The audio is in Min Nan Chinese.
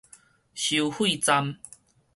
收費站